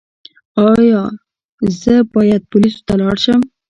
ایا زه باید پولیسو ته لاړ شم؟